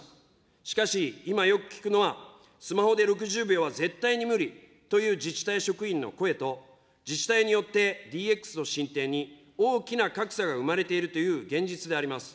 しかし今よく聞くのは、スマホで６０秒は絶対に無理という自治体職員の声と、自治体によってＤＸの進展に、大きな格差が生まれているという現実であります。